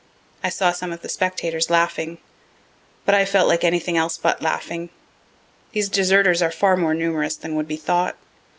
I saw some of the spectators laughing, but I felt like anything else but laughing. These deserters are far more numerous than would be thought.